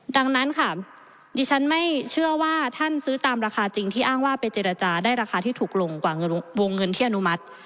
ดังนั้นค่ะดิฉันไม่เชื่อว่าท่านซื้อตามราคาจริงที่อ้างว่าไปเจรจาได้ราคาที่ถูกลงกว่าวงเงินที่อนุมัติ